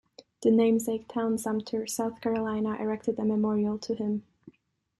The namesake town, Sumter, South Carolina, erected a memorial to him.